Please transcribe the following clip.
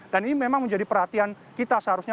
dan ini memang menjadi perhatian kita seharusnya